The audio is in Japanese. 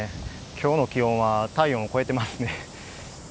今日の気温は体温を超えてますね。